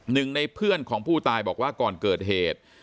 หนึ่งในเพื่อนของผู้ตายบอกว่าก่อนเกิดเหตุ